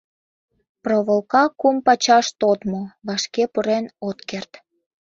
Проволка кум пачаш тодмо, вашке пурен от керт.